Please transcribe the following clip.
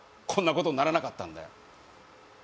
こんなことにならなかったんだよ